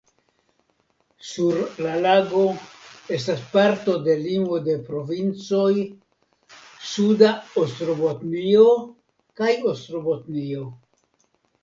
Sur la lago estas parto de limo de provincoj Suda Ostrobotnio kaj Ostrobotnio.